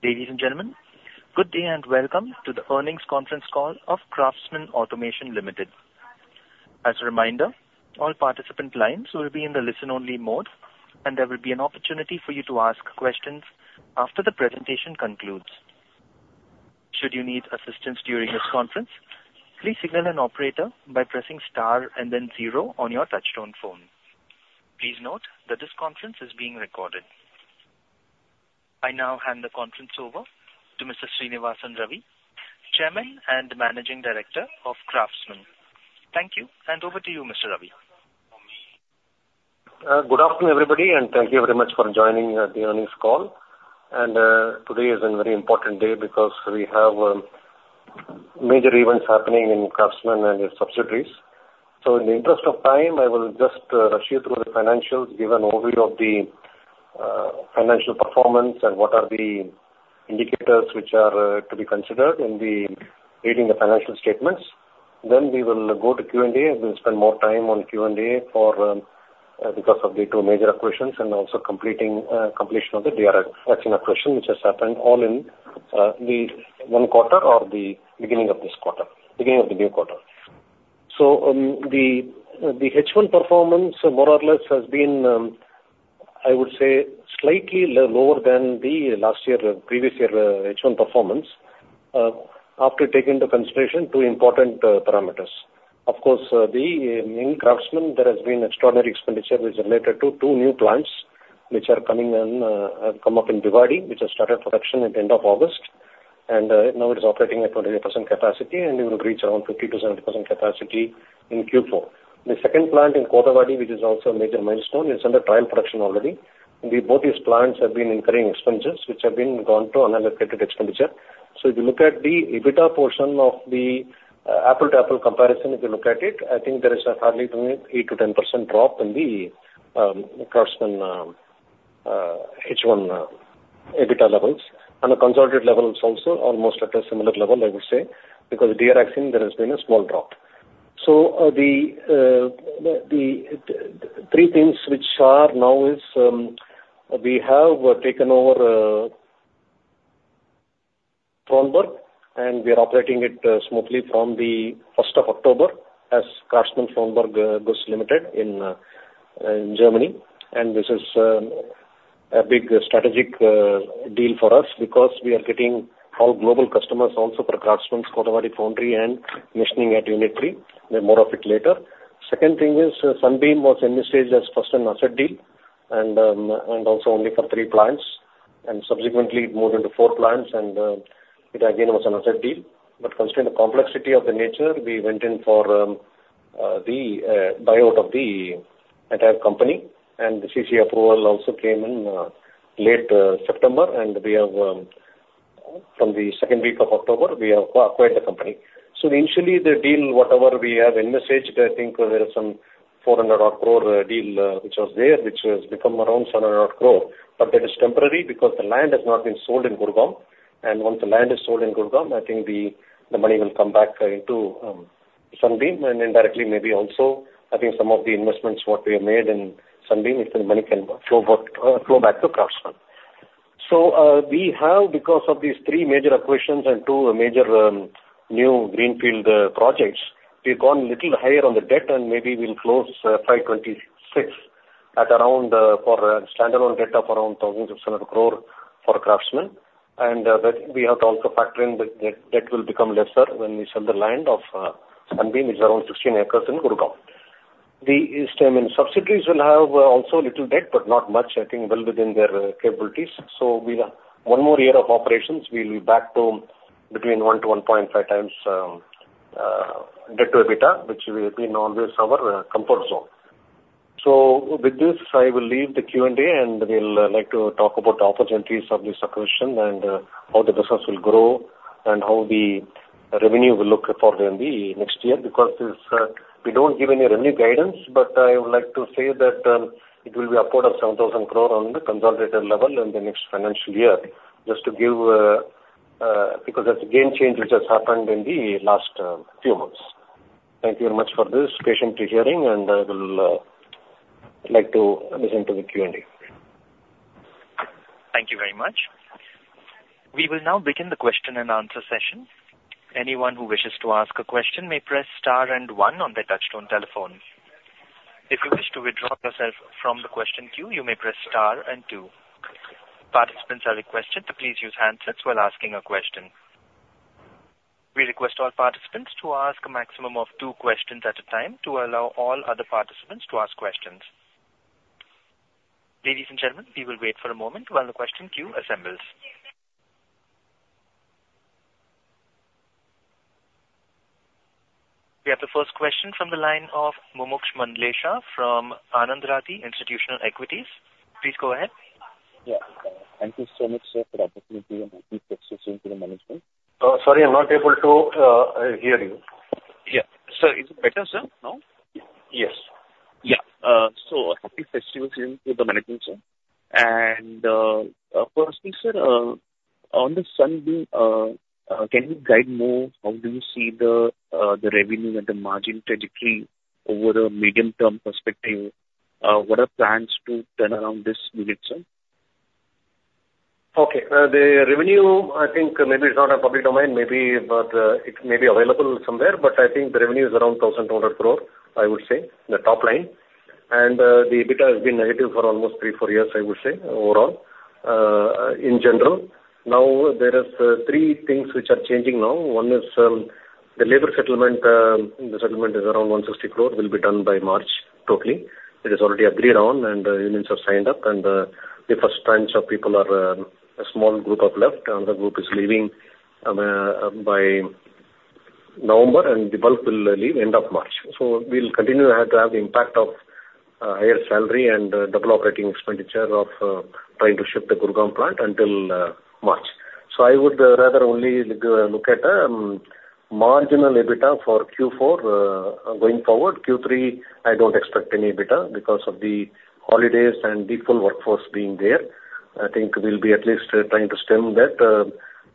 Ladies and gentlemen, good day, and welcome to the earnings conference call of Craftsman Automation Limited. As a reminder, all participant lines will be in the listen-only mode, and there will be an opportunity for you to ask questions after the presentation concludes. Should you need assistance during this conference, please signal an operator by pressing star and then zero on your touchtone phone. Please note that this conference is being recorded. I now hand the conference over to Mr. Srinivasan Ravi, Chairman and Managing Director of Craftsman. Thank you, and over to you, Mr. Ravi. Good afternoon, everybody, and thank you very much for joining the earnings call. And today is a very important day because we have major events happening in Craftsman and its subsidiaries. So in the interest of time, I will just rush you through the financials, give an overview of the financial performance and what are the indicators which are to be considered in reading the financial statements. Then we will go to Q&A, and we'll spend more time on Q&A because of the two major acquisitions and also completion of the DR Axion acquisition, which has happened all in the one quarter or the beginning of this quarter, beginning of the new quarter. The H1 performance more or less has been, I would say, slightly lower than the last year, previous year, H1 performance, after taking into consideration two important parameters. Of course, the main Craftsman, there has been extraordinary expenditure which is related to two new plants which are coming in, have come up in Bhiwadi, which has started production at the end of August, and now it is operating at 28% capacity and it will reach around 50%-70% capacity in Q4. The second plant in Kothavadi, which is also a major milestone, is under trial production already. Both these plants have been incurring expenses, which have been gone to unallocated expenditure. So if you look at the EBITDA portion of the apple-to-apple comparison, if you look at it, I think there is a hardly 8-10% drop in the Craftsman H1 EBITDA levels. And the consolidated levels also are almost at a similar level, I would say, because DR Axion, there has been a small drop. So the three things which are now is we have taken over Fronberg, and we are operating it smoothly from the first of October as Craftsman Fronberg Guss Limited in Germany. And this is a big strategic deal for us because we are getting all global customers also for Craftsman's Kothavadi Foundry and machining at unit three. More of it later. Second thing is, Sunbeam was envisaged as first an asset deal and, and also only for three plants, and subsequently it moved into four plants, and, it again was an asset deal. But considering the complexity of the nature, we went in for, the, buyout of the entire company, and the CCI approval also came in, late, September, and we have, from the second week of October, we have acquired the company. So initially, the deal, whatever we have envisaged, I think there is some 400-odd crore, deal, which was there, which has become around 700 crore, but that is temporary because the land has not been sold in Gurgaon. Once the land is sold in Gurgaon, I think the money will come back into Sunbeam and indirectly, maybe also, I think some of the investments what we have made in Sunbeam, if the money can flow back, flow back to Craftsman. So, we have, because of these three major acquisitions and two major new greenfield projects, we've gone a little higher on the debt and maybe we'll close five twenty-six at around for a standalone debt of around 1,600 crore for Craftsman. That we have to also factor in the debt. Debt will become lesser when we sell the land of Sunbeam, is around 16 acres in Gurgaon. I mean, the subsidiaries will have also little debt, but not much, I think well within their capabilities. So with one more year of operations, we'll be back to between 1-1.5 times debt to EBITDA, which will be always our comfort zone. So with this, I will leave the Q&A, and we'll like to talk about the opportunities of this acquisition and how the business will grow and how the revenue will look forward in the next year. Because this, we don't give any revenue guidance, but I would like to say that it will be upward of 7,000 crore on the consolidated level in the next financial year, just to give because of the game change which has happened in the last few months. Thank you very much for this patiently hearing, and I will like to listen to the Q&A. Thank you very much. We will now begin the question and answer session. Anyone who wishes to ask a question may press star and one on their touchtone telephone. If you wish to withdraw yourself from the question queue, you may press star and two. Participants are requested to please use handsets while asking a question. We request all participants to ask a maximum of two questions at a time to allow all other participants to ask questions. Ladies and gentlemen, we will wait for a moment while the question queue assembles. We have the first question from the line of Mumuksh Mandlesha from Anand Rathi Institutional Equities. Please go ahead. Yeah. Thank you so much, sir, for the opportunity and happy festivals to the management. Sorry, I'm not able to hear you. Yeah. Sir, is it better, sir, now? Yes. Yeah. So happy festivals to the management, sir. And, firstly, sir, on the Sunbeam, can you guide more? How do you see the revenue and the margin trajectory over a medium-term perspective? What are the plans to turn around this unit, sir? Okay. The revenue, I think maybe it's not a public domain, maybe, but it may be available somewhere, but I think the revenue is around 1,200 crore, I would say, the top line. The EBITDA has been negative for almost three, four years, I would say, overall, in general. Now, there is three things which are changing now. One is the labor settlement. The settlement is around 160 crore, will be done by March totally. It is already agreed on, and the unions have signed up, and the first tranche of people are a small group has left. Another group is leaving by November, and the bulk will leave end of March. We'll continue to have the impact of higher salary and double operating expenditure of trying to shift the Gurgaon plant until March. I would rather only look at marginal EBITDA for Q4. Going forward, Q3, I don't expect any EBITDA because of the holidays and the full workforce being there. I think we'll be at least trying to stem that,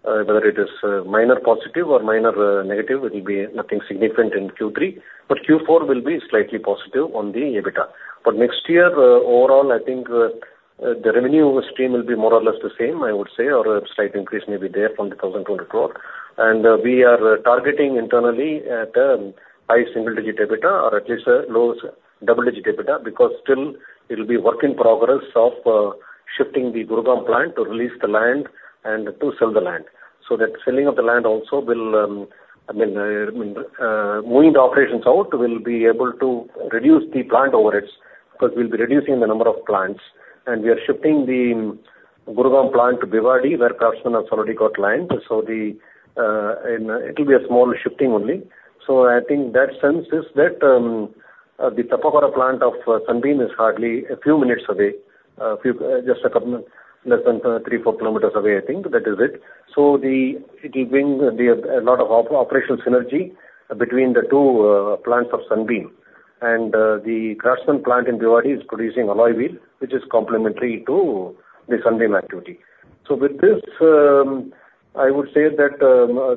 whether it is minor positive or minor negative, it'll be nothing significant in Q3, but Q4 will be slightly positive on the EBITDA. Next year, overall, I think the revenue stream will be more or less the same, I would say, or a slight increase may be there from the 1,200 crore. We are targeting internally at high single digit EBITDA or at least a low double digit EBITDA, because still it'll be work in progress of shifting the Gurgaon plant to release the land and to sell the land. That selling of the land also will, I mean, moving the operations out, we'll be able to reduce the plant overheads, because we'll be reducing the number of plants, and we are shifting the Gurgaon plant to Bhiwadi, where Craftsman has already got land. It will be a small shifting only. I think that sense is that the Tapukara plant of Sunbeam is hardly a few minutes away, just a couple, less than three, four kilometers away, I think. That is it. So it will bring a lot of operational synergy between the two plants of Sunbeam. And the Craftsman plant in Bhiwadi is producing alloy wheel, which is complementary to the Sunbeam activity. So with this, I would say that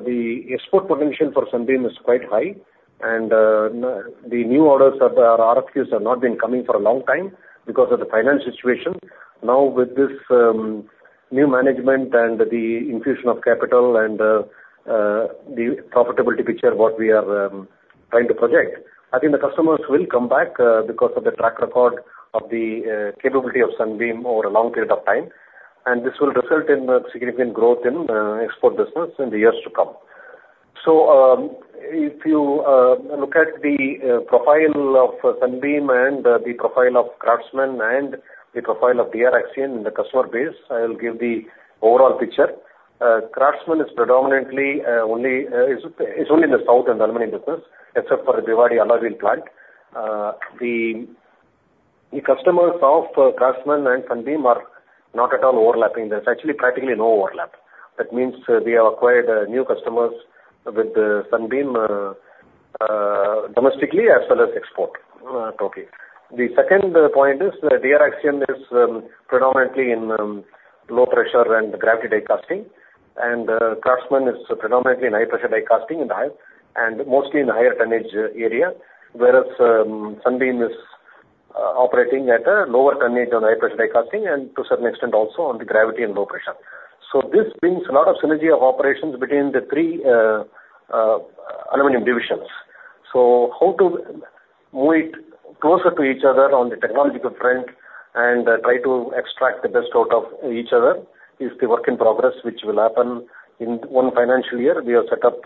the export potential for Sunbeam is quite high, and the new orders or RFQs have not been coming for a long time because of the finance situation. Now, with this, new management and the infusion of capital and the profitability picture, what we are trying to project, I think the customers will come back because of the track record of the capability of Sunbeam over a long period of time. And this will result in a significant growth in export business in the years to come. If you look at the profile of Sunbeam and the profile of Craftsman and the profile of DR Axion and the customer base, I will give the overall picture. Craftsman is predominantly only in the south and aluminum business, except for the Bhiwadi alloy wheel plant. The customers of Craftsman and Sunbeam are not at all overlapping. There's actually practically no overlap. That means we have acquired new customers with the Sunbeam, domestically as well as export. Okay. The second point is that DR Axion is predominantly in low pressure and gravity die casting, and Craftsman is predominantly in high pressure die casting and mostly in higher tonnage area. Whereas, Sunbeam is operating at a lower tonnage on high pressure die casting and to certain extent also on the gravity and low pressure. So this brings a lot of synergy of operations between the three aluminum divisions. So how to move it closer to each other on the technological front and try to extract the best out of each other is the work in progress, which will happen in one financial year. We have set up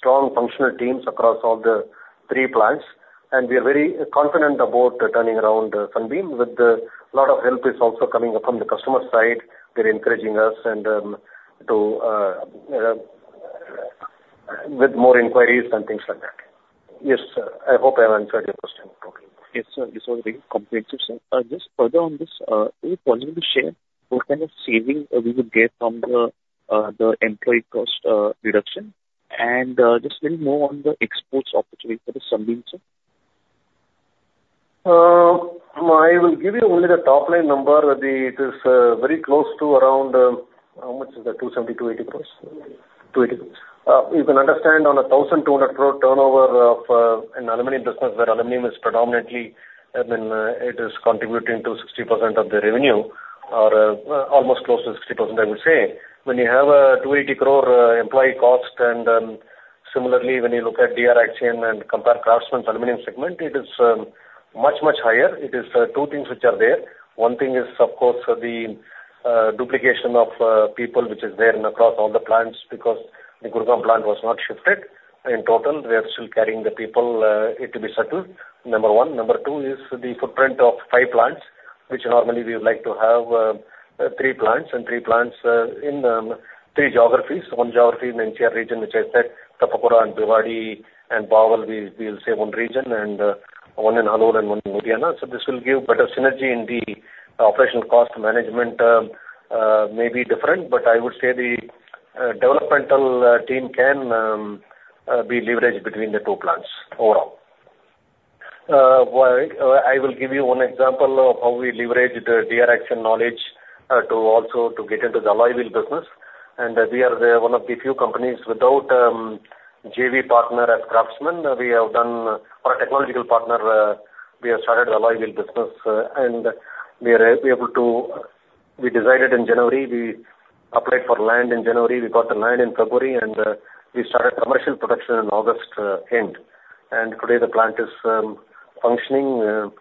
strong functional teams across all the three plants, and we are very confident about turning around Sunbeam, with the lot of help is also coming up from the customer side. They're encouraging us and with more inquiries and things like that. Yes, sir, I hope I have answered your question totally. Yes, sir. This was very comprehensive, sir. Just further on this, is it possible to share what kind of saving we would get from the employee cost reduction? And just little more on the exports opportunity for the Sunbeam, sir. I will give you only the top line number, the, it is, very close to around, how much is the INR 270, 280 crores? 280. You can understand on a 1,200 crore turnover of, an aluminum business, where aluminum is predominantly, I mean, it is contributing to 60% of the revenue, or, almost close to 60%, I would say. When you have a 280 crore, employee cost, and, similarly, when you look at DR Axion and compare Craftsman's aluminum segment, it is, much, much higher. It is, two things which are there. One thing is, of course, the, duplication of, people, which is there in across all the plants, because the Gurgaon plant was not shifted. In total, we are still carrying the people, it to be settled, number one. Number two is the footprint of five plants, which normally we would like to have, three plants, and three plants, in, three geographies. One geography in NCR region, which I said, Tapukara and Bhiwadi and Bawal, we, we'll say one region, and, one in Alwar and one in Ludhiana. So this will give better synergy in the operational cost management, may be different, but I would say the, developmental, team can, be leveraged between the two plants overall. Well, I, I will give you one example of how we leveraged the DR Axion knowledge, to also to get into the alloy wheel business. And we are the one of the few companies without, JV partner at Craftsman. We have done our technological partner. We have started the alloy wheel business, and we are able to. We decided in January, we applied for land in January, we got the land in February, and we started commercial production in August end. And today the plant is functioning,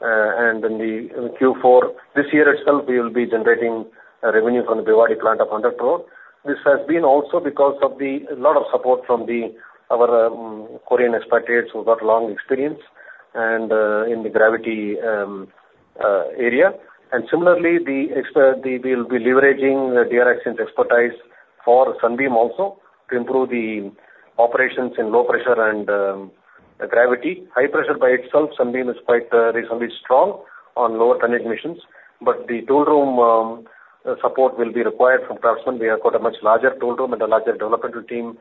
and in the Q4 this year itself, we will be generating revenue from the Bhiwadi plant of ₹100 crore. This has been also because of the lot of support from our Korean expatriates, who got long experience and in the gravity area. And similarly, the expertise, we'll be leveraging the DR Axion's expertise for Sunbeam also to improve the operations in low pressure and gravity. High pressure by itself, Sunbeam is quite reasonably strong on lower tonnage machines, but the tool room support will be required from Craftsman. We have got a much larger tool room and a larger developmental team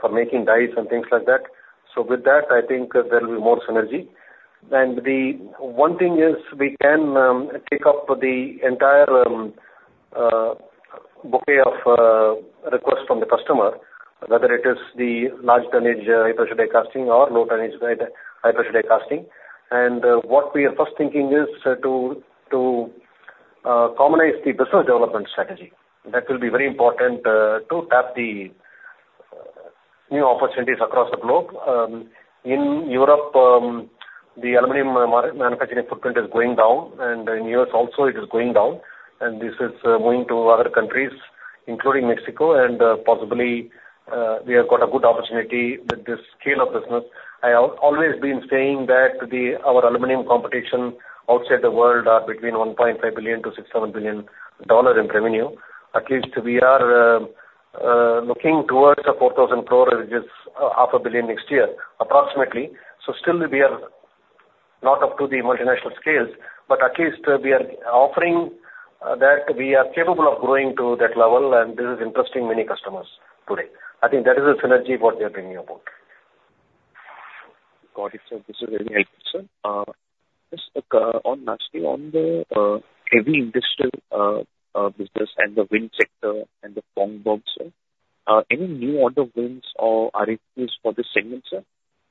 for making dies and things like that. So with that, I think there will be more synergy. And the one thing is we can take up the entire bouquet of requests from the customer, whether it is the large tonnage, high pressure die casting or low tonnage, high pressure die casting. And what we are first thinking is to commonize the business development strategy. That will be very important to tap the new opportunities across the globe. In Europe, the aluminum manufacturing footprint is going down, and in U.S. also it is going down, and this is moving to other countries, including Mexico, and possibly we have got a good opportunity with this scale of business. I have always been saying that our aluminum competition outside the world are between $1.5 billion to $6-7 billion in revenue. At least we are looking towards 4,000 crore, which is $500 million next year, approximately. So still we are not up to the multinational scales, but at least we are offering that we are capable of growing to that level, and this is interesting many customers today. I think that is a synergy what we are bringing about. Got it, sir. This is very helpful, sir. Just lastly on the heavy industrial business and the wind sector and the pumps business, sir. Any new order wins or RFPs for this segment, sir?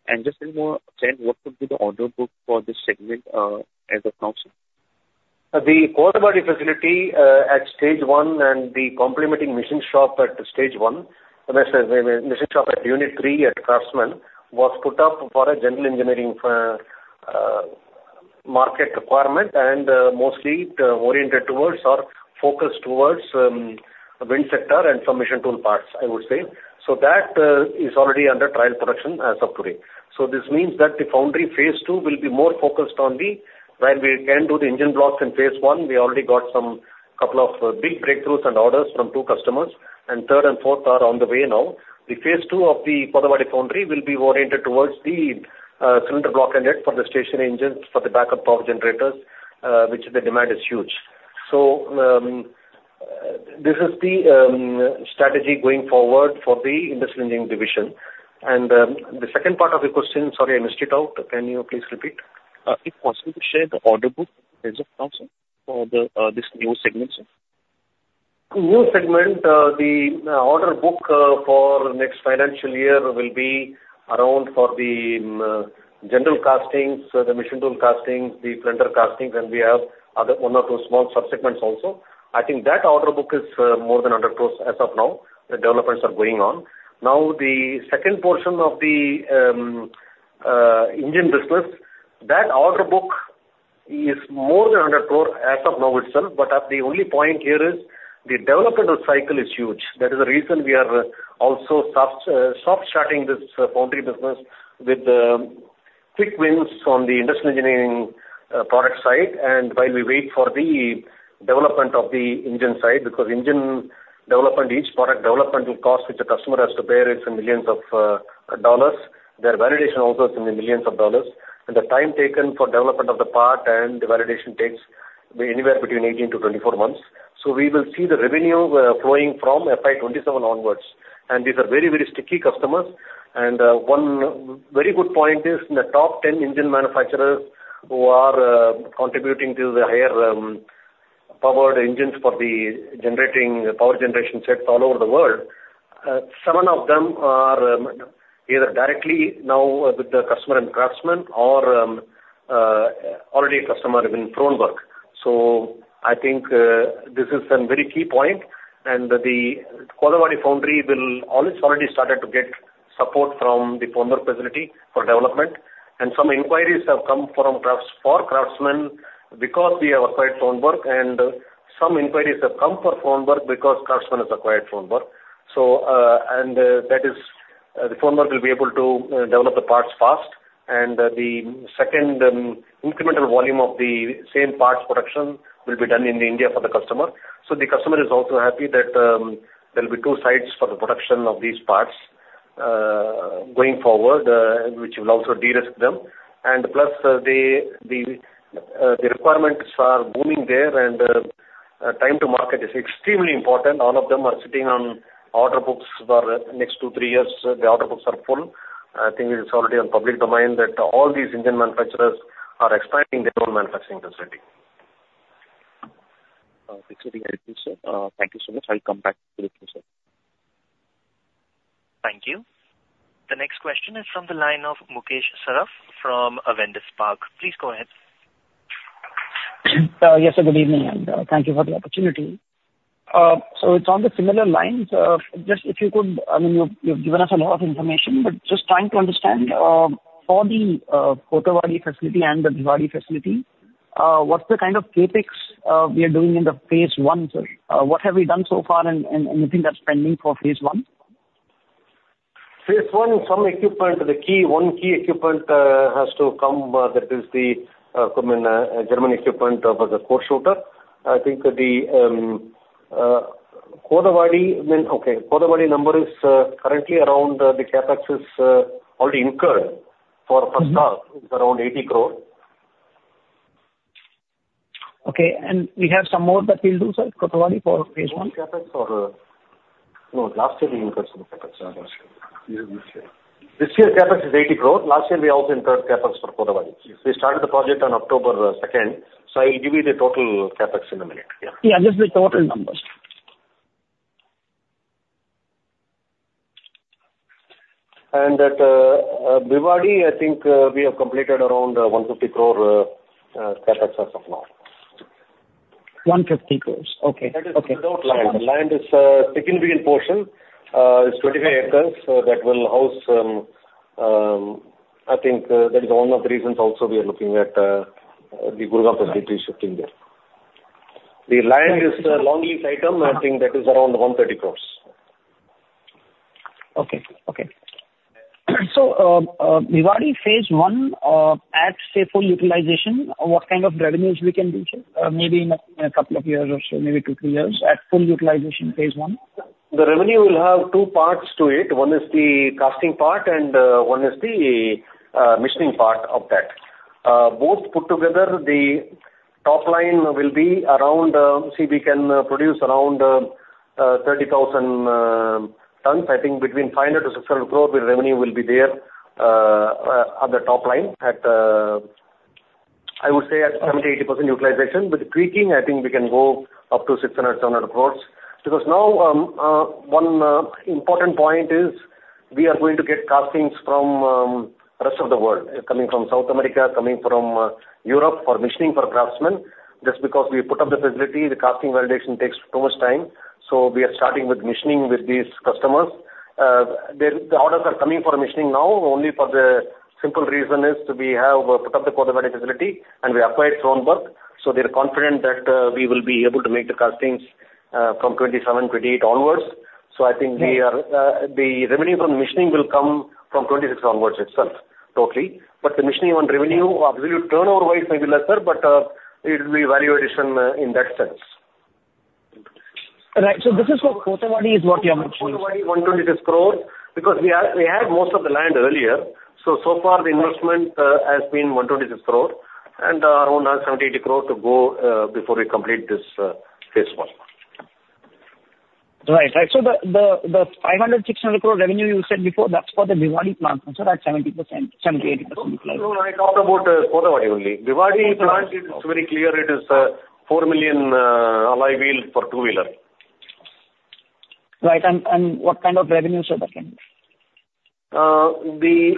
And just one more thing, what would be the order book for this segment as of now, sir? The Kothavadi facility at stage one, and the complementary machine shop at stage one, the machine shop at unit three at Craftsman, was put up for a general engineering market requirement, and mostly oriented towards or focused towards wind sector and some precision tool parts, I would say. That is already under trial production as of today. This means that the foundry phase two will be more focused on the, while we can do the engine blocks in phase one, we already got a couple of big breakthroughs and orders from two customers, and third and fourth are on the way now. The phase two of the Kothavadi foundry will be oriented towards the cylinder block unit for the stationary engines, for the backup power generators, which the demand is huge. This is the strategy going forward for the industrial engine division. The second part of your question, sorry, I missed it out. Can you please repeat? If possible, to share the order book as of now, sir, for this new segment, sir. New segment, the order book for next financial year will be around for the general castings, the mission tool castings, the cylinder castings, and we have other one or two small subsegments also. I think that order book is more than under close as of now. The developments are going on. Now, the second portion of the engine business, that order book is more than 100 crore as of now itself, but at the only point here is the developmental cycle is huge. That is the reason we are also soft starting this foundry business with quick wins from the industrial engineering product side, and while we wait for the development of the engine side, because engine development, each product development will cost, which the customer has to bear, is in millions of dollars. Their validation also is in the millions of dollars, and the time taken for development of the part and the validation takes anywhere between 18 to 24 months, so we will see the revenue flowing from FY2027 onwards. These are very, very sticky customers, and one very good point is in the top 10 engine manufacturers who are contributing to the higher powered engines for power generation sets all over the world. Seven of them are either directly now with the customer and Craftsman or already a customer with Fronberg. I think this is a very key point, and the Kothavadi Foundry will always already started to get support from the Fronberg facility for development. Some inquiries have come for Craftsman because we have acquired Fronberg, and some inquiries have come for Fronberg because Craftsman has acquired Fronberg. That is, the Fronberg will be able to develop the parts fast, and the second, incremental volume of the same parts production will be done in India for the customer. The customer is also happy that there will be two sites for the production of these parts, going forward, which will also de-risk them. Plus, the requirements are booming there, and time to market is extremely important. All of them are sitting on order books for next two, three years. The order books are full. I think it's already in the public domain, that all these engine manufacturers are expanding their own manufacturing facility. Thank you so much. I'll come back to you, sir. Thank you. The next question is from the line of Mukesh Saraf from Avendus Spark. Please go ahead. Yes, sir, good evening, and thank you for the opportunity. So it's on the similar lines. Just if you could, I mean, you've given us a lot of information, but just trying to understand, for the Kothavadi facility and the Bhiwadi facility, what's the kind of CapEx we are doing in the phase one, sir? What have we done so far and anything that's pending for phase one? Phase one, some equipment, the key, one key equipment has to come, that is the from German equipment for the core shooter. I think that the Kothavadi, then okay, Kothavadi number is currently around the CapEx is already incurred for first half. Mm-hmm. It's around 80 crore. Okay, and we have some more that we'll do, sir, Kothavadi for phase one? CapEx for, no, last year we incurred some CapEx, last year. This year, CapEx is 80 crore. Last year we also incurred CapEx for Kothavadi. We started the project on October second, so I'll give you the total CapEx in a minute. Yeah. Yeah, just the total numbers. At Bhiwadi, I think we have completed around 150 crore CapEx as of now. 150 crores. Okay. That is without land. The land is, significant portion. It's 25 acres, so that will house, I think, that is one of the reasons also we are looking at, the Gurgaon facility shifting there. The land is a long lease item. I think that is around 130 crores. Okay, okay. So, Bhiwadi phase one, at, say, full utilization, what kind of revenues we can reach, maybe in a couple of years or so, maybe two, three years, at full utilization phase one? The revenue will have two parts to it. One is the casting part, and one is the machining part of that. Both put together, the top line will be around, see, we can produce around 30,000 tons. I think between 500-600 crore, the revenue will be there on the top line at, I would say at 70-80% utilization. With tweaking, I think we can go up to 600-700 crores. Because now, one important point is we are going to get castings from rest of the world, coming from South America, coming from Europe, for machining for Craftsman. Just because we put up the facility, the casting validation takes too much time, so we are starting with machining with these customers. The orders are coming for machining now, only for the simple reason is we have put up the Kothavadi facility, and we applied for approval, so they're confident that we will be able to make the castings from 2027, 2028 onwards. So I think we are- Mm. The revenue from the machining will come from 2026 onwards itself, totally. But the machining on revenue, absolute turnover-wise, may be lesser, but it will be value addition in that sense. Right. So this is for Kothavadi, is what you are mentioning. Kothavadi, 126 crore, because we had most of the land earlier. So far the investment has been 126 crore, and around 70-80 crore to go before we complete this phase one. Right. So the 500-600 crore revenue you said before, that's for the Bhiwadi plant, which are at 70%, 70-80%. No, I talked about Kothavadi only. Bhiwadi plant, it's very clear it is four million alloy wheel for two-wheeler. Right, and what kind of revenues are they can be?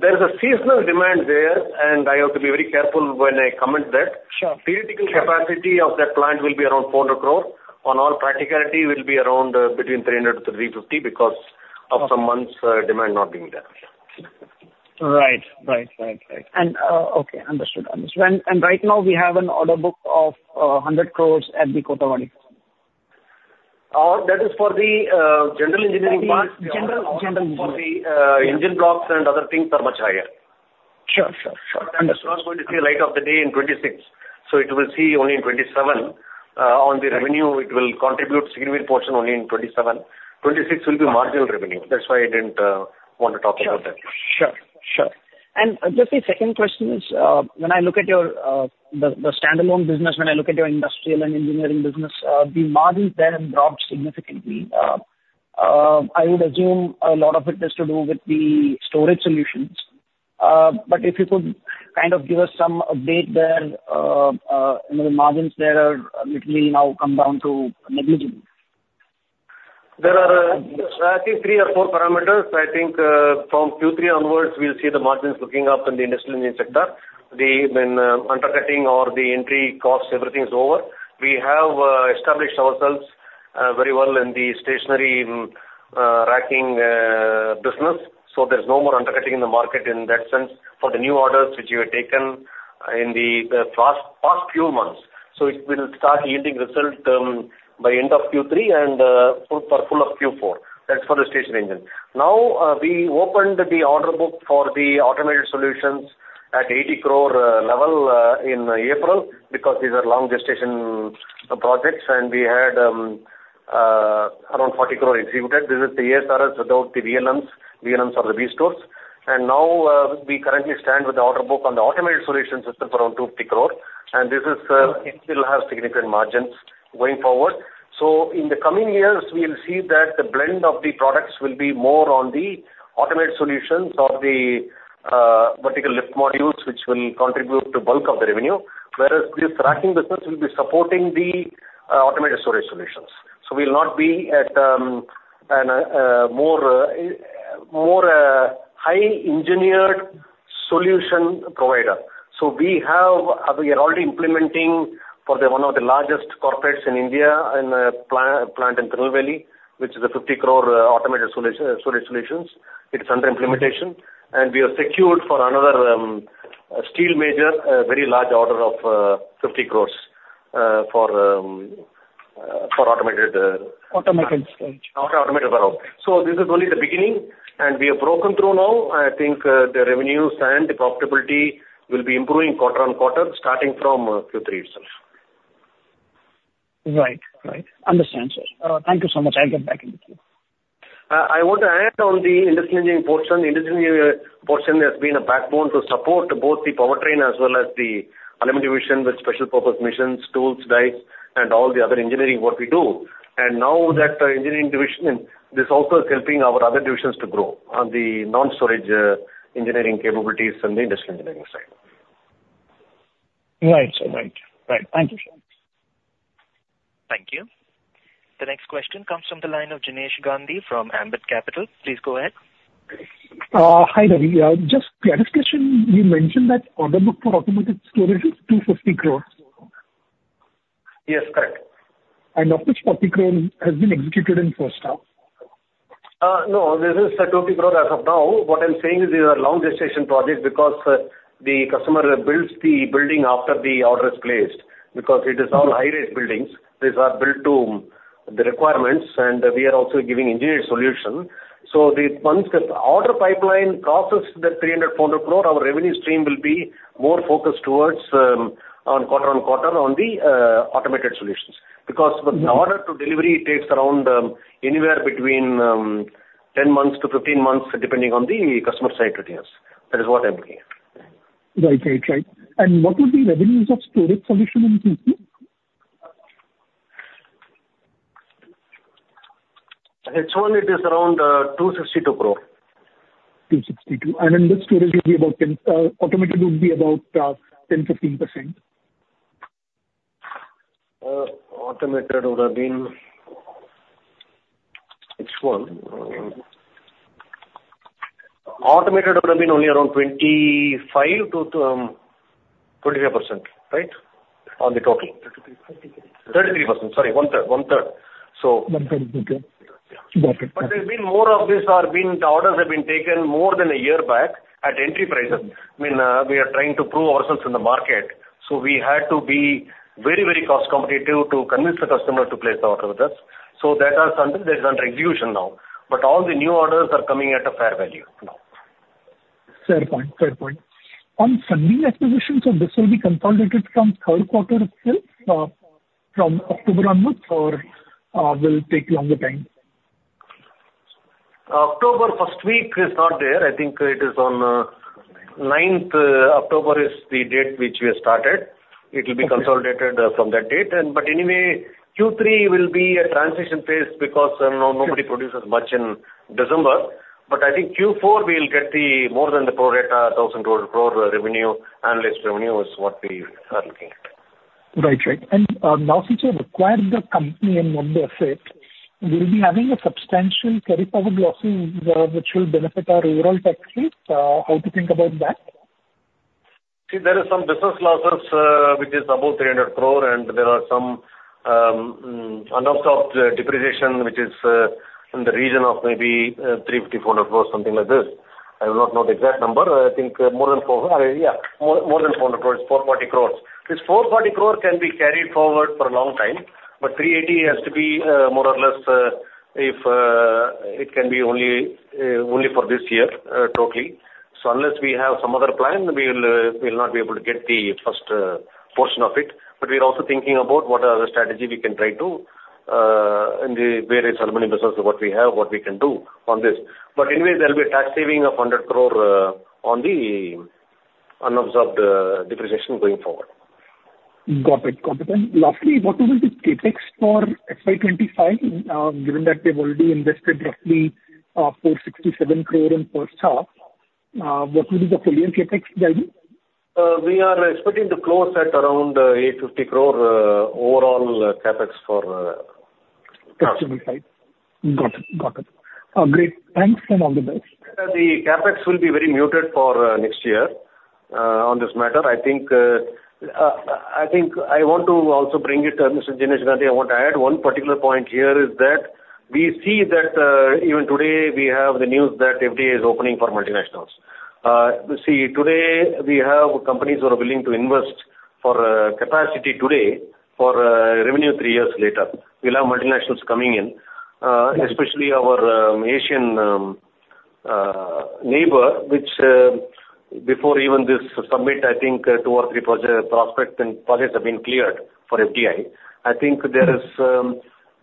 There's a seasonal demand there, and I have to be very careful when I comment that. Sure. Theoretical capacity of that plant will be around 400 crore. In all practicality, will be around between 300-350, because of some months demand not being there. Right. Okay, understood. Understood. And right now, we have an order book of 100 crore at the Kothavadi. That is for the general engineering part. General, general engineering. For the engine blocks and other things are much higher. Sure, sure, sure. Understood. That's not going to see light of the day in 2026, so it will see only in 2027. On the revenue, it will contribute significant portion only in 2027. 2026 will be marginal revenue. That's why I didn't want to talk about that. Sure. Sure, sure. And just a second question is, when I look at your, the standalone business, when I look at your industrial and engineering business, the margins there have dropped significantly. I would assume a lot of it has to do with the storage solutions. But if you could kind of give us some update there, you know, the margins there are, it will now come down to negligible. There are, I think, three or four parameters. I think, from Q3 onwards, we'll see the margins looking up in the industrial engine sector. The, I mean, undercutting or the entry costs, everything is over. We have established ourselves very well in the storage racking business, so there's no more undercutting in the market in that sense for the new orders which we have taken in the past few months. So it will start yielding result by end of Q3 and full for Q4. That's for the stationary engine. Now, we opened the order book for the automated solutions at 80 crore level in April, because these are long gestation projects, and we had around 40 crore executed. This is the ASRS without the VLMs. VLMs are the V-Store. Now, we currently stand with the order book on the automated solution system for around 250 crore, and this is, it will have significant margins going forward. In the coming years, we'll see that the blend of the products will be more on the automated solutions or the vertical lift modules, which will contribute to the bulk of the revenue. Whereas this racking business will be supporting the automated storage solutions. We'll be a more highly engineered solution provider. We are already implementing for one of the largest corporates in India, in a plant in Tirunelveli, which is a 50 crore automated solution, storage solutions. It's under implementation, and we have secured for another, a steel major, a very large order of 50 crores for automated. Automated storage. Automated warehouse. So this is only the beginning, and we have broken through now. I think, the revenues and the profitability will be improving quarter on quarter, starting from Q3 itself. Right. Right. Understand, sir. Thank you so much. I'll get back in with you. I want to add on the industrial engineering portion. Industrial engineering portion has been a backbone to support both the powertrain as well as the aluminum division with special purpose machines, tools, dies, and all the other engineering work we do. And now that the engineering division, this also is helping our other divisions to grow on the non-storage engineering capabilities and the industrial engineering side. Right, sir. Right. Right. Thank you, sir. Thank you. The next question comes from the line of Jinesh Gandhi from Ambit Capital. Please go ahead. Hi, Ravi. Just clarification, you mentioned that order book for automated storage is 250 crores? Yes, correct. Of which 40 crore has been executed in first half? No, this is the 40 crore as of now. What I'm saying is, these are long gestation projects because the customer builds the building after the order is placed, because it is all high-rise buildings. These are built to the requirements, and we are also giving engineered solution. So once the order pipeline crosses the 300-400 crore, our revenue stream will be more focused towards, on quarter-on-quarter, the automated solutions. Because- Mm-hmm. The order to delivery takes around anywhere between 10 months-15 months, depending on the customer site requirements. That is what I'm saying. Right. And what would be revenues of storage solution in Q2? H1, it is around 262 crore. 262. In this storage will be about 10%. Automated would be about 10-15%. Automated would have been only around 25-25%, right? On the total. 32, 33. 33%, sorry, one third. One third, so- One third. Okay. Yeah. Got it. But there's been more of this, the orders have been taken more than a year back at entry prices. I mean, we are trying to prove ourselves in the market, so we had to be very, very cost competitive to convince the customer to place the order with us. So that has done reduction now, but all the new orders are coming at a fair value now. Fair point, fair point. On Sunbeam acquisitions, so this will be consolidated from third quarter itself, from October onwards or, will take longer time? October first week is not there. I think it is on ninth October. October is the date which we have started. Okay. It will be consolidated from that date, but anyway, Q3 will be a transition phase because no- Sure. Nobody produces much in December, but I think Q4, we'll get more than the pro rata 1,000 crore revenue. Analyst revenue is what we are looking at. Right. Right. And now since you've acquired the company and not the asset, will you be having a substantial carry forward losses, which will benefit our overall tax rate? How to think about that? See, there is some business losses, which is about 300 crore, and there are some unabsorbed depreciation, which is in the region of maybe 350-400 crore, something like this. I do not know the exact number. I think more than 400 crore, yeah, more than 400 crore, 440 crore. This 440 crore can be carried forward for a long time, but 380 has to be more or less if it can be only for this year, totally. So unless we have some other plan, we'll not be able to get the first portion of it. But we are also thinking about what are the strategy we can try to in the various aluminum business, what we have, what we can do on this. But anyway, there will be a tax saving of 100 crore on the unabsorbed depreciation going forward. Got it. Got it. And lastly, what will be the CapEx for FY2025? Given that we've already invested roughly 467 crore in first half, what will be the full year CapEx guide? We are expecting to close at around 850 crore overall CapEx for Craftsman. Craftsman, right. Got it. Got it. Great. Thanks, and all the best. The CapEx will be very muted for next year. On this matter, I think I want to also bring it, Mr. Jinesh Gandhi. I want to add one particular point here is that we see that even today, we have the news that FDI is opening for multinationals. See, today we have companies who are willing to invest for capacity today, for revenue three years later. We'll have multinationals coming in, especially our Asian neighbor, which before even this summit, I think two or three prospects and projects have been cleared for FDI. I think there is,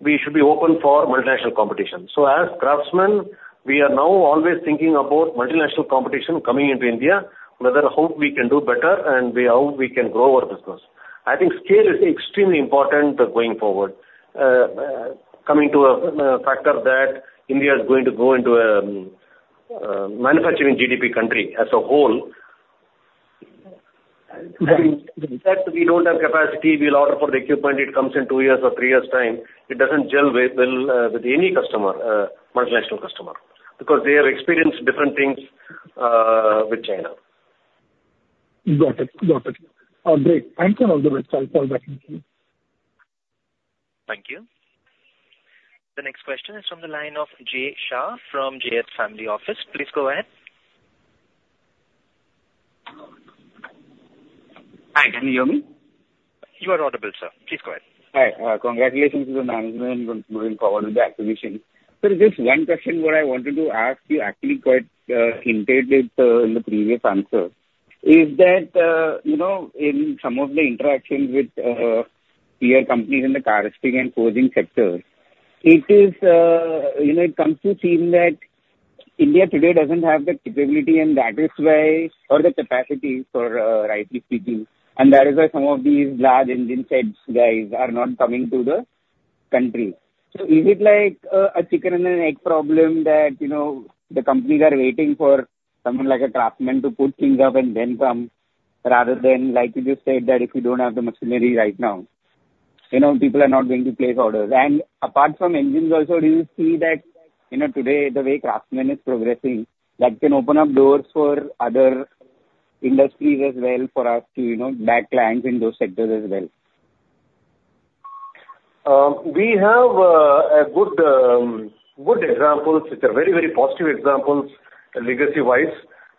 we should be open for multinational competition. So as Craftsman, we are now always thinking about multinational competition coming into India, whether how we can do better and we how we can grow our business. I think scale is extremely important going forward. Coming to a factor that India is going to go into a manufacturing GDP country as a whole and having the fact we don't have capacity, we'll order for the equipment, it comes in two years or three years' time, it doesn't gel well with any customer, multinational customer, because they have experienced different things with China. Got it. Got it. Great. Thanks, and all the best. I'll call back again. Thank you. The next question is from the line of Jay Shah from JS Family Office. Please go ahead. Hi, can you hear me? You are audible, sir. Please go ahead. Hi, congratulations to the management on moving forward with the acquisition. Sir, just one question what I wanted to ask you, actually, quite hinted it, in the previous answer, is that, you know, in some of the interactions with, peer companies in the casting and forging sectors, it is, you know, it comes to seem that India today doesn't have the capability, and that is why, or the capacity for, rightly speaking, and that is why some of these large engine sets guys are not coming to the country. So is it like, a chicken and an egg problem that, you know, the companies are waiting for someone like a Craftsman to put things up and then come, rather than, like you just said, that if you don't have the machinery right now, you know, people are not going to place orders? And apart from engines also, do you see that, you know, today, the way Craftsman is progressing, that can open up doors for other industries as well, for us to, you know, back clients in those sectors as well? We have a good examples, which are very, very positive examples, legacy-wise.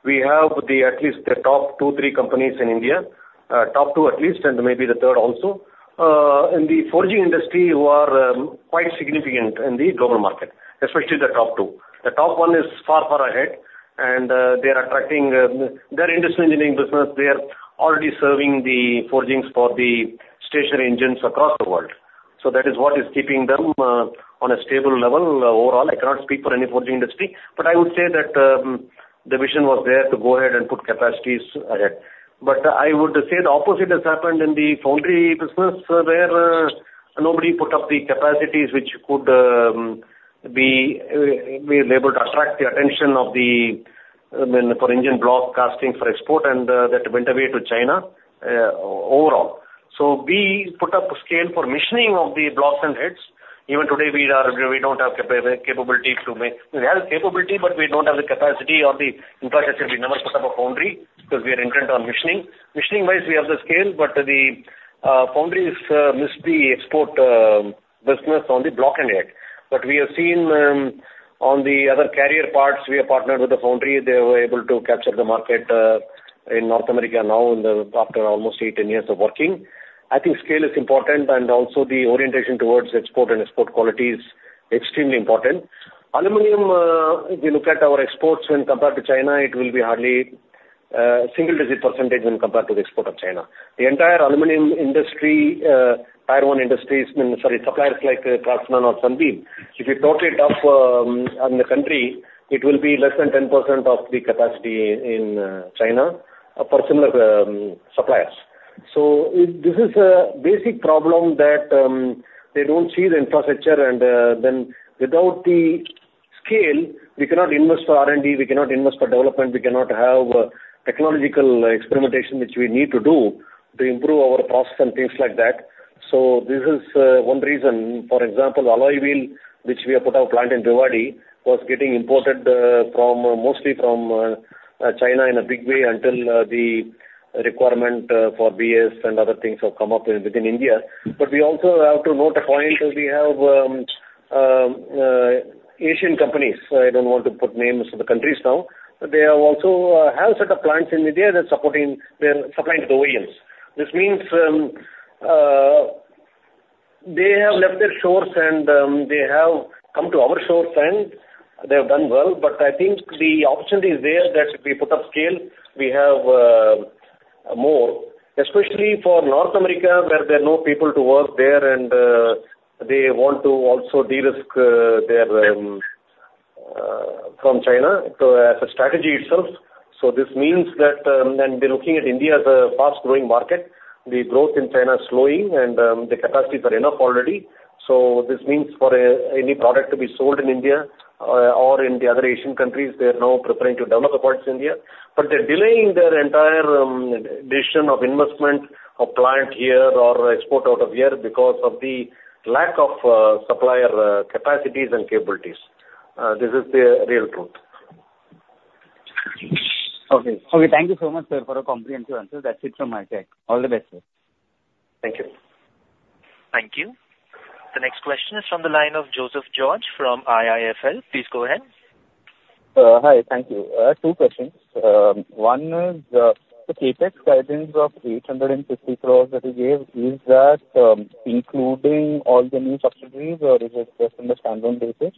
We have at least the top two, three companies in India, top two at least, and maybe the third also, in the forging industry who are quite significant in the global market, especially the top two. The top one is far, far ahead, and they are attracting their Industrial Engineering business, they are already serving the forgings for the stationary engines across the world. So that is what is keeping them on a stable level. Overall, I cannot speak for any forging industry, but I would say that the vision was there to go ahead and put capacities ahead. But I would say the opposite has happened in the foundry business, where nobody put up the capacities which could be able to attract the attention of the for engine block casting for export, and that went away to China overall. So we put up a scale for machining of the blocks and heads. Even today, we don't have capability to make. We have capability, but we don't have the capacity or the infrastructure. We never set up a foundry because we are intent on machining. Machining-wise, we have the scale, but the foundries missed the export business on the block and head. But we have seen on the other carrier parts, we have partnered with the foundry. They were able to capture the market in North America now, after almost eight, ten years of working. I think scale is important, and also the orientation towards export and export quality is extremely important. Aluminum, if you look at our exports when compared to China, it will be hardly single-digit % when compared to the export of China. The entire aluminum industry, tier one industries, I mean, sorry, suppliers like Craftsman or Sunbeam, if you total it up, in the country, it will be less than 10% of the capacity in China for similar suppliers. This is a basic problem that they don't see the infrastructure, and then without the scale, we cannot invest for R&D, we cannot invest for development, we cannot have technological experimentation, which we need to do to improve our process and things like that. This is one reason. For example, alloy wheel, which we have put our plant in Bhiwadi, was getting imported from mostly from China in a big way until the requirement for BS and other things have come up within India. But we also have to note a point. We have Asian companies. I don't want to put names of the countries now, but they have also have set up plants in India that's supporting. They're supplying to the OEMs. This means, they have left their shores, and, they have come to our shores, and they have done well. But I think the opportunity is there that if we put up scale, we have, more, especially for North America, where there are no people to work there, and, they want to also de-risk, their, from China, so as a strategy itself. This means that, and they're looking at India as a fast-growing market. The growth in China is slowing, and, the capacities are enough already. This means for any product to be sold in India, or in the other Asian countries, they are now preparing to develop the products in India. But they're delaying their entire decision of investment of plant here or export out of here because of the lack of supplier capacities and capabilities. This is the real truth. Okay. Okay, thank you so much, sir, for your comprehensive answers. That's it from my side. All the best, sir. Thank you. Thank you. The next question is from the line of Joseph George from IIFL. Please go ahead. Hi. Thank you. Two questions. One is, the CapEx guidance of 850 crores that you gave, is that including all the new subsidiaries, or is it just on the standalone basis?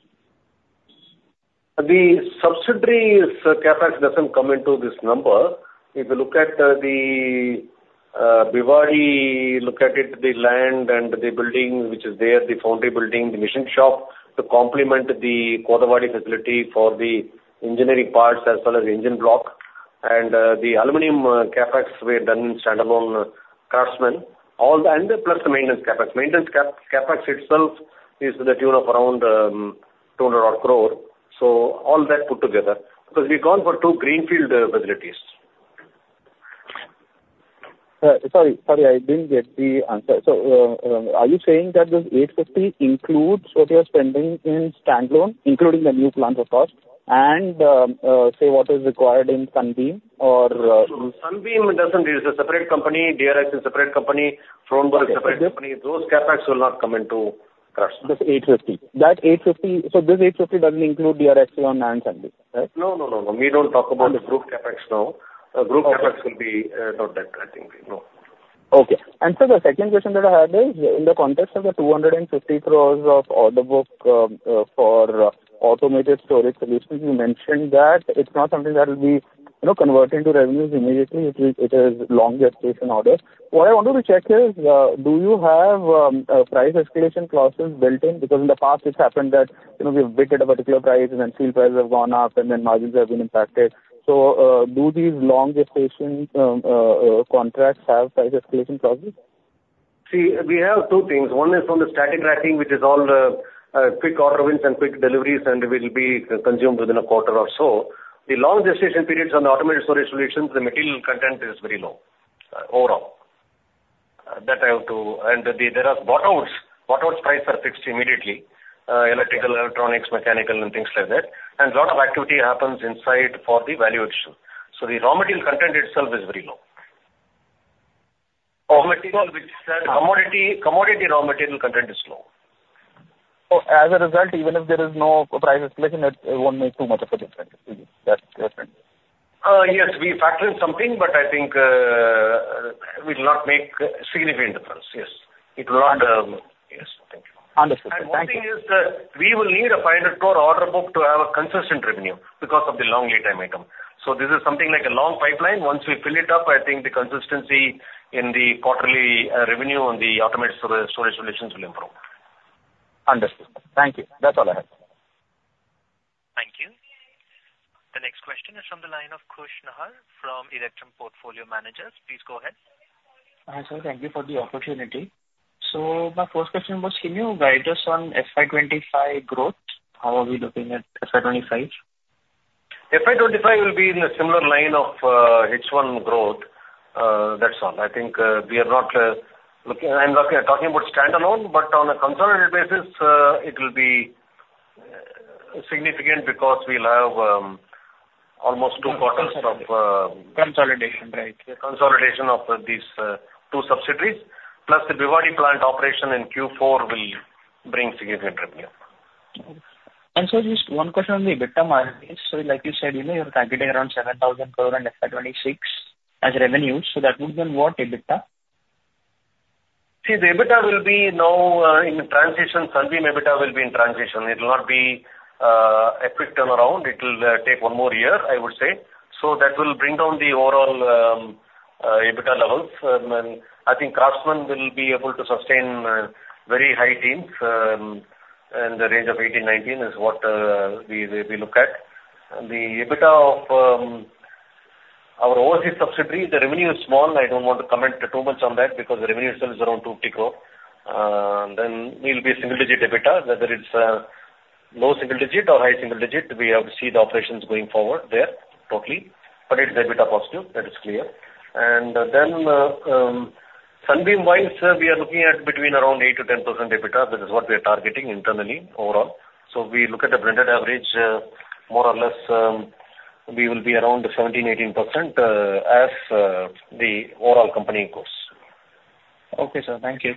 The subsidiaries CapEx doesn't come into this number. If you look at the Bhiwadi, the land and the building, which is there, the foundry building, the machining shop, to complement the Kothavadi facility for the engineering parts as well as engine block. And the aluminum CapEx we have done in standalone Craftsman, all the and plus the maintenance CapEx. Maintenance CapEx itself is to the tune of around 200 crore. All that put together, because we've gone for two greenfield facilities. Sorry, sorry, I didn't get the answer. So, are you saying that this eight fifty includes what you are spending in standalone, including the new plants, of course, and, say, what is required in Sunbeam or- Sunbeam doesn't. It is a separate company. DR Axion is a separate company. Fronberg is a separate company. Okay. Those CapEx will not come into Craftsman. This 850. That 850, so this 850 doesn't include DR Axion and Sunbeam, right? No, no, no, no. We don't talk about the group CapEx now. Okay. Group CapEx will be about that, I think. No. Okay. And so the second question that I had is, in the context of the 250 crores of order book for automated storage solutions, you mentioned that it's not something that will be, you know, converted into revenues immediately, it is long gestation orders. What I wanted to check is, do you have price escalation clauses built in? Because in the past, it's happened that, you know, we've bid at a particular price, and then steel prices have gone up, and then margins have been impacted. So, do these long gestation contracts have price escalation clauses? See, we have two things. One is on the static tracking, which is all, quick order wins and quick deliveries, and will be consumed within a quarter or so. The long gestation periods on the automated storage solutions, the material content is very low, overall. That I have to... And the, there are bought outs. Bought outs price are fixed immediately, electrical, electronics, mechanical and things like that. And a lot of activity happens inside for the value addition. So the raw material content itself is very low. Raw material, which said- Commodity raw material content is low. So as a result, even if there is no price escalation, it won't make too much of a difference to you. That's right. Yes, we factor in something, but I think it will not make a significant difference. Yes. It will not. Yes. Thank you. Understood. Thank you. One thing is that we will need an INR 500 crore order book to have a consistent revenue, because of the long lead time item. This is something like a long pipeline. Once we fill it up, I think the consistency in the quarterly revenue on the automated storage solutions will improve. Understood. Thank you. That's all I have. Thank you. The next question is from the line of Khush Nahar from Electrum Portfolio Managers. Please go ahead. Hi, sir. Thank you for the opportunity. So my first question was, can you guide us on FY 2025 growth? How are we looking at FY 2025? FY 2025 will be in a similar line of H1 growth, that's all. I think, we are not looking, I'm talking about standalone, but on a consolidated basis, it will be significant because we'll have almost two quarters of Consolidation, right. Consolidation of these two subsidiaries, plus the Bhiwadi plant operation in Q4 will bring significant revenue. And so just one question on the EBITDA margins. So like you said, you know, you're targeting around 7,000 crore in FY 2026 as revenues, so that would mean what EBITDA? See, the EBITDA will be now in transition. Sunbeam EBITDA will be in transition. It will not be a quick turnaround. It'll take one more year, I would say. So that will bring down the overall EBITDA levels. And I think Craftsman will be able to sustain very high teens in the range of 18, 19, is what we look at. The EBITDA of our overseas subsidiary, the revenue is small. I don't want to comment too much on that because the revenue itself is around 250 crore. Then we'll be a single digit EBITDA, whether it's low single digit or high single digit, we have to see the operations going forward there totally, but it's EBITDA positive. That is clear. And then Sunbeam-wise, we are looking at between around 8%-10% EBITDA. That is what we are targeting internally, overall. So we look at a blended average, more or less, we will be around 17-18%, as the overall company goes. Okay, sir. Thank you.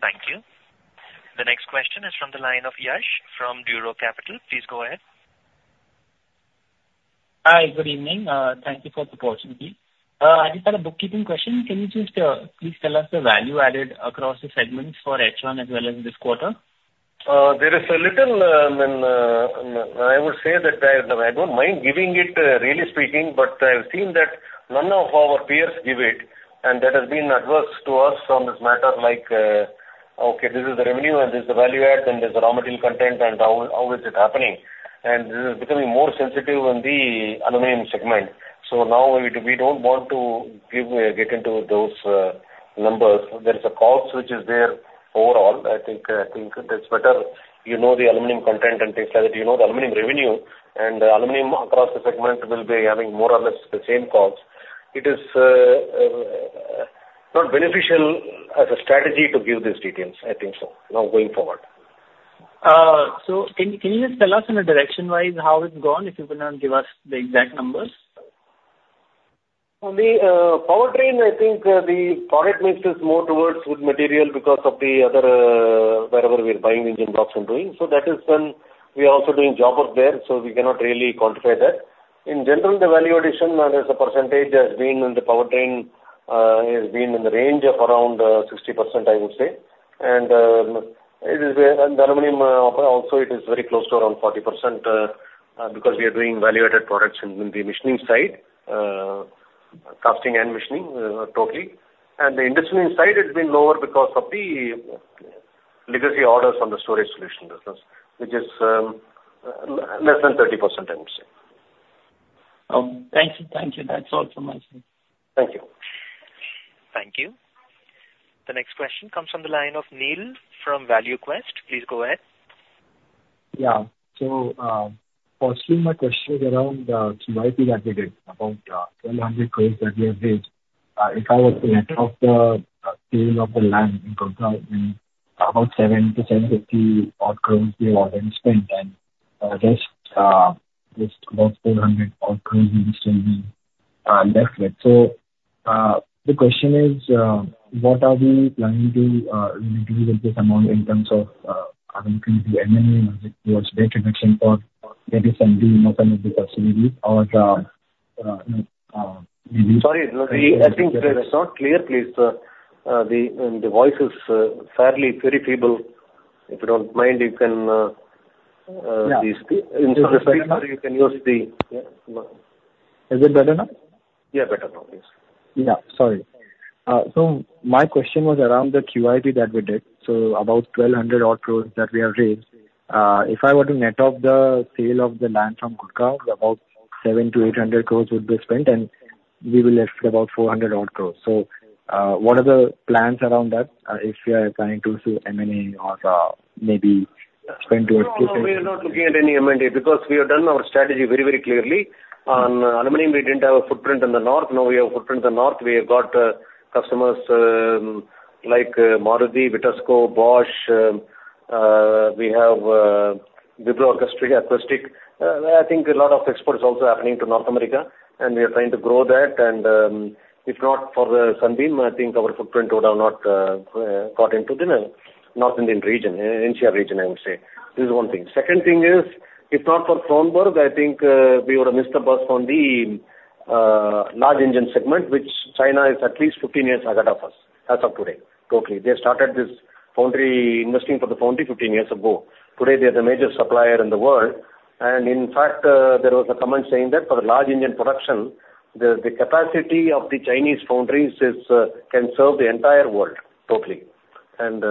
Thank you. The next question is from the line of Yash from Duro Capital. Please go ahead. Hi, good evening. Thank you for the opportunity. I just had a bookkeeping question. Can you just, please tell us the value added across the segments for H1 as well as this quarter? There is a little, and I would say that I don't mind giving it, really speaking, but I've seen that none of our peers give it, and that has been adverse to us on this matter, like, okay, this is the revenue, and this is the value add, and this is the raw material content, and how is it happening? And this is becoming more sensitive in the aluminum segment. So now we don't want to give, get into those numbers. There is a cost, which is there overall. I think that's better you know the aluminum content and things like that. You know the aluminum revenue, and aluminum across the segment will be having more or less the same cost. It is not beneficial as a strategy to give these details. I think so, now going forward. So, can you just tell us in a direction-wise how it's gone, if you cannot give us the exact numbers? On the powertrain, I think the product mix is more towards wet material because of the other, wherever we're buying engine blocks and doing. So that is done. We are also doing job work there, so we cannot really quantify that. In general, the value addition as a percentage has been in the powertrain has been in the range of around 60%, I would say. And it is, the aluminum also it is very close to around 40% because we are doing value-added products in the machining side, casting and machining, totally. And the industrial side, it's been lower because of the legacy orders from the storage solution business, which is less than 30%, I would say. Thank you. Thank you. That's all from my side. Thank you. Thank you. The next question comes from the line of Neel from ValueQuest. Please go ahead. Yeah. So, firstly, my question is around QIP that we did, about twelve hundred crores that we have raised. If I were to net off the sale of the land in Kothavadi, about seven to seven fifty odd crores we have already spent, and this about four hundred odd crores will still be left with. So, the question is, what are we planning to do with this amount in terms of looking at the M&A or debt reduction for that is something not one of the possibility or maybe- Sorry, I think it's not clear, please. The voice is fairly very feeble. If you don't mind, you can Yeah. Just, you can use the- Is it better now? Yeah, better now. Yes. Yeah, sorry. So my question was around the QIP that we did, so about twelve hundred odd crores that we have raised. If I were to net off the sale of the land from Kothavadi, about seven to eight hundred crores would be spent, and we'll be left with about four hundred odd crores. So, what are the plans around that? If we are planning to do M&A or, maybe spend to- No, no, we are not looking at any M&A because we have done our strategy very, very clearly. On aluminum, we didn't have a footprint in the north, now we have a footprint in the north. We have got, customers, like, Maruti, Vitesco, Bosch, we have, Wipro Infrastructure. I think a lot of exports are also happening to North America, and we are trying to grow that, and, if not for the Sunbeam, I think our footprint would have not, got into the North Indian region, India region, I would say. This is one thing. Second thing is, if not for Fronberg, I think, we would have missed the bus on the, large engine segment, which China is at least fifteen years ahead of us, as of today, totally. They started this foundry, investing for the foundry fifteen years ago. Today, they are the major supplier in the world. In fact, there was a comment saying that for the large engine production, the capacity of the Chinese foundries can serve the entire world, totally, and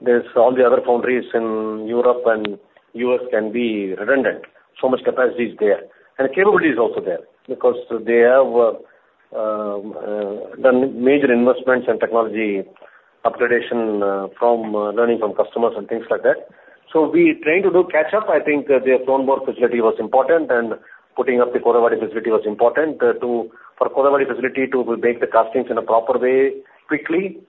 there's all the other foundries in Europe and U.S. can be redundant. So much capacity is there, and capability is also there because they have done major investments in technology upgradation from learning from customers and things like that, so we trying to do catch up. I think the Fronberg facility was important, and putting up the Kothavadi facility was important. For Kothavadi facility to make the castings in a proper way quickly,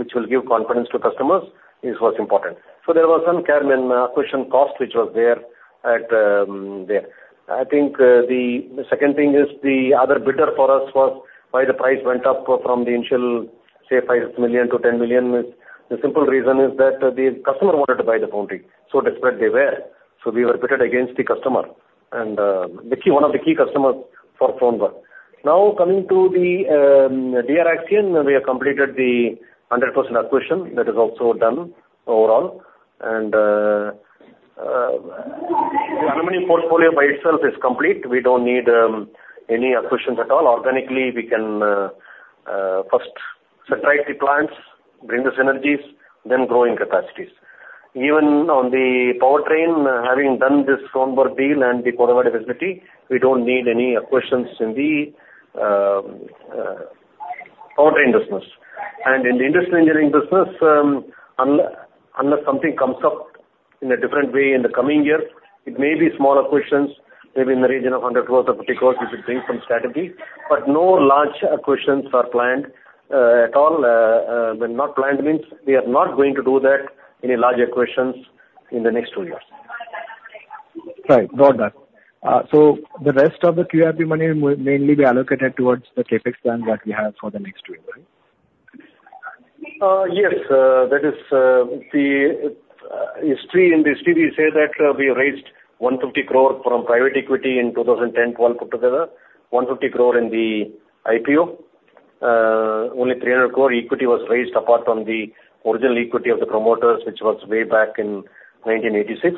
which will give confidence to customers, is what's important. There was some acquisition cost, which was there. I think the second thing is the other bidder for us was why the price went up from the initial, say, $5 million to $10 million. The simple reason is that the customer wanted to buy the foundry, so desperate they were. So we were bidded against the customer and the key, one of the key customers for Fronberg. Now, coming to DR Axion, we have completed the 100% acquisition. That is also done overall. And the aluminum portfolio by itself is complete. We don't need any acquisitions at all. Organically, we can first saturate the plants, bring the synergies, then grow in capacities. Even on the powertrain, having done this Fronberg deal and the Kothavadi facility, we don't need any acquisitions in the powertrain business. In the industrial engineering business, unless something comes up in a different way in the coming years, it may be small acquisitions, maybe in the region of 100 crore or 50 crore, which will bring some strategy, but no large acquisitions are planned, at all. Well, not planned means we are not going to do that, any large acquisitions in the next two years. Right. Got that. So the rest of the QIP money will mainly be allocated towards the CapEx plan that we have for the next two years, right? Yes. That is the history. In the history, we say that we raised 150 crore from private equity in 2010, 2012 put together, 150 crore in the IPO. Only 300 crore equity was raised apart from the original equity of the promoters, which was way back in 1986.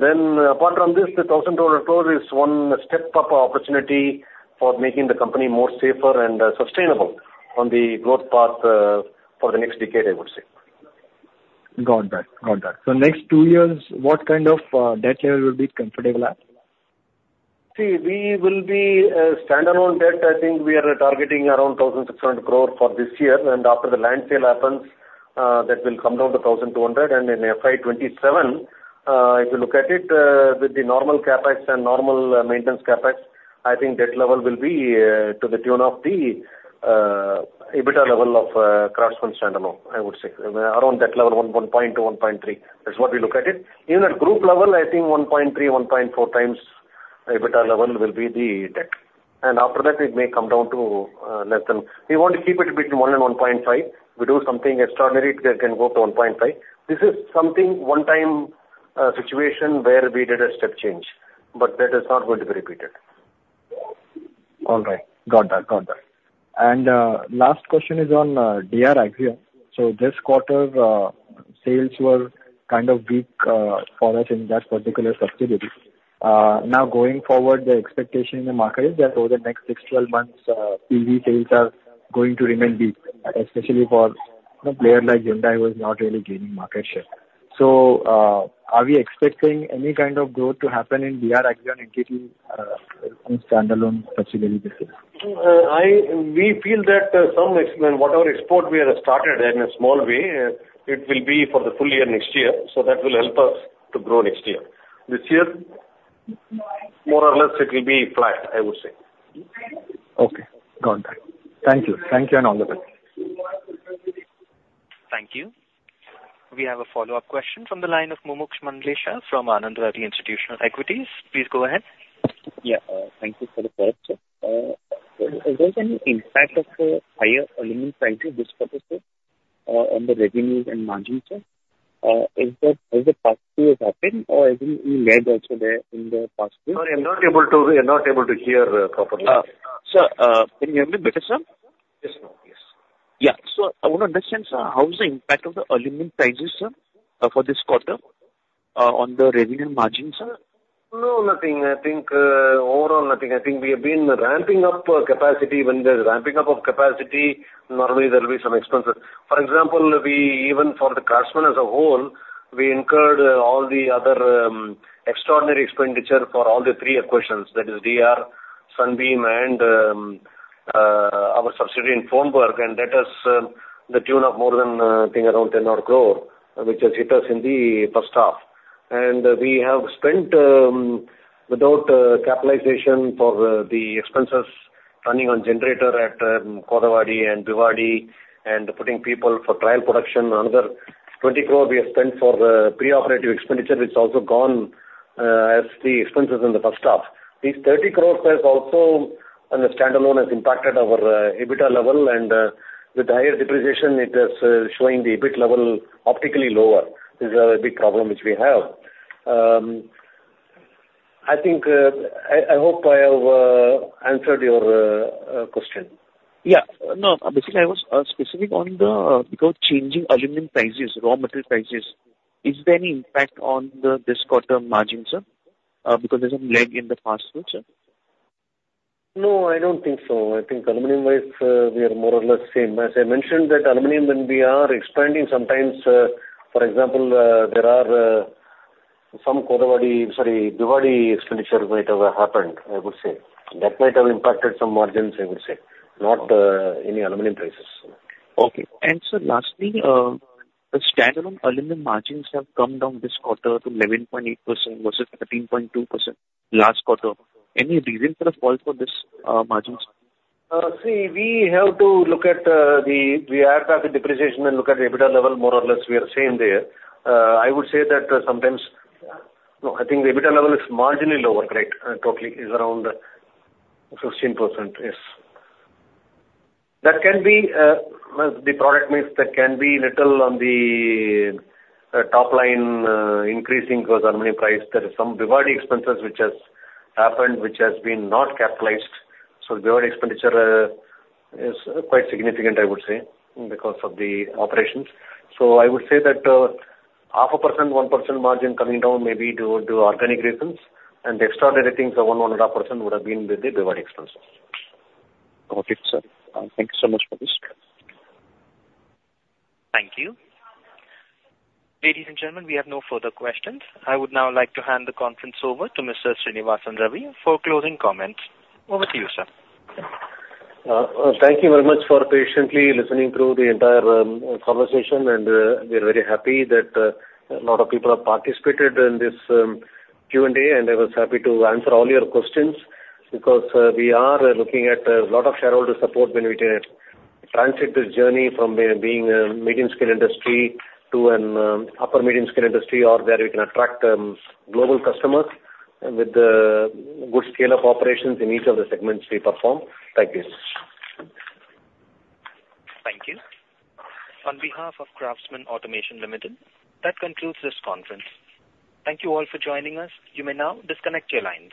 Then apart from this, the 1,200 crore is one step up opportunity for making the company more safer and sustainable on the growth path, for the next decade, I would say. Got that. Got that. So next two years, what kind of debt level you will be comfortable at? See, we will be standalone debt. I think we are targeting around 1,600 crore for this year, and after the land sale happens, that will come down to 1,200. And in FY 2027, if you look at it, with the normal CapEx and normal maintenance CapEx, I think debt level will be to the tune of the EBITDA level of Craftsman standalone, I would say. Around that level, 1-1.3. That's what we look at it. Even at group level, I think 1.3-1.4 times EBITDA level will be the debt, and after that, it may come down to less than... We want to keep it between 1 and 1.5. We do something extraordinary, it can go to 1.5. This is something one-time, situation where we did a step change, but that is not going to be repeated. All right. Got that. Got that. And, last question is on, DR Axion. So this quarter, sales were kind of weak, for us in that particular subsidiary. Now, going forward, the expectation in the market is that over the next 6 to 12 months, EV sales are going to remain weak, especially for a player like Hyundai, who is not really gaining market share.... So, are we expecting any kind of growth to happen in DR Axion entity, in standalone particularly this year? I, we feel that, some whatever export we have started in a small way, it will be for the full year next year, so that will help us to grow next year. This year, more or less, it will be flat, I would say. Okay. Got that. Thank you. Thank you and all the best. Thank you. We have a follow-up question from the line of Mumuksh Mandlesha from Anand Rathi Institutional Equities. Please go ahead. Yeah, thank you for the call, sir. Is there any impact of higher aluminum prices this quarter, sir, on the revenues and margins, sir? Is that, has the past two years happened, or has been any lag also there in the past two? Sorry, I'm not able to, we are not able to hear properly. Sir, can you hear me better, sir? Yes, now. Yes. Yeah. So I want to understand, sir, how is the impact of the aluminum prices, sir, for this quarter, on the revenue margins, sir? No, nothing. I think, overall, nothing. I think we have been ramping up capacity. When there's ramping up of capacity, normally there will be some expenses. For example, we, even for the Craftsman as a whole, we incurred all the other extraordinary expenditure for all the three acquisitions, that is DR, Sunbeam, and our subsidiary in Fronberg, and that is the tune of more than, I think around 10 odd crore, which has hit us in the first half. We have spent without capitalization for the expenses running on generator at Kothavadi and Bhiwadi, and putting people for trial production. Another 20 crore we have spent for the pre-operative expenditure, which has also gone as the expenses in the first half. These 30 crores has also, on a standalone, has impacted our EBITDA level, and with the higher depreciation, it is showing the EBIT level optically lower. This is a big problem which we have. I think I hope I have answered your question. Yeah. No, basically, I was specific on the because changing aluminum prices, raw material prices, is there any impact on this quarter margins, sir? Because there's a lag in the past too, sir. No, I don't think so. I think aluminum-wise, we are more or less same. As I mentioned that aluminum, when we are expanding sometimes, for example, there are some Kothavadi, sorry, Bhiwadi expenditure might have happened, I would say. That might have impacted some margins, I would say, not any aluminum prices. Okay. And sir, lastly, the standalone aluminum margins have come down this quarter to 11.8% versus 13.2% last quarter. Any reasons for the fall in this margins? See, we have to look at the, we add back the depreciation and look at the EBITDA level, more or less we are same there. I would say that sometimes... No, I think the EBITDA level is marginally lower, right, totally. It's around 15%, yes. That can be, well, the product mix, that can be little on the top line increasing because aluminum price. There is some Bhiwadi expenses which has happened, which has been not capitalized. So Bhiwadi expenditure is quite significant, I would say, because of the operations. So I would say that, 0.5%-1% margin coming down may be due to organic reasons, and the extraordinary things are 1-1.5% would have been with the Bhiwadi expenses. Okay, sir. Thank you so much for this. Thank you. Ladies and gentlemen, we have no further questions. I would now like to hand the conference over to Mr. Srinivasan Ravi for closing comments. Over to you, sir. Thank you very much for patiently listening through the entire conversation, and we're very happy that a lot of people have participated in this Q&A, and I was happy to answer all your questions because we are looking at a lot of shareholder support when we take this journey from being a medium-scale industry to an upper medium-scale industry or where we can attract global customers with the good scale of operations in each of the segments we perform. Thank you. Thank you. On behalf of Craftsman Automation Limited, that concludes this conference. Thank you all for joining us. You may now disconnect your lines.